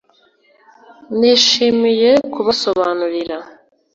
Nishimiye kubasobanurira